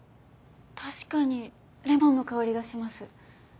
確かにレモンの香りがします。